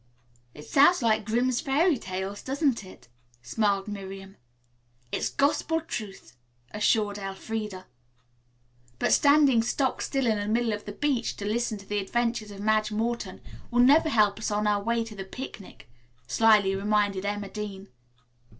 "It sounds like 'Grimms' Fairy Tales,' doesn't it," smiled Miriam. "It's gospel truth," assured Elfreda. "But standing stock still in the middle of the beach to listen to the adventures of Madge Morton will never help us on our way to the picnic," slyly reminded Emma Dean.